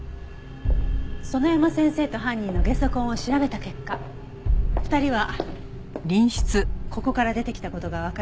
園山先生と犯人のゲソ痕を調べた結果２人はここから出てきた事がわかりました。